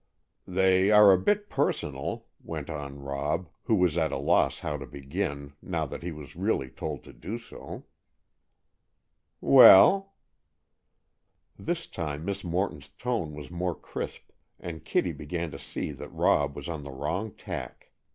"They are a bit personal," went on Rob, who was at a loss how to begin, now that he was really told to do so. "Well?" This time, Miss Morton's tone was more crisp, and Kitty began to see that Rob was on the wrong tack.